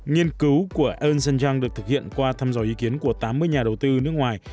nghiên cứu của earn young được thực hiện qua thăm dòi ý kiến của tám mươi nhà đầu tư nước ngoài